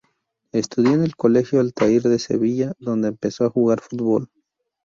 Estudió en el colegio Altair de Sevilla, donde empezó a jugar al fútbol.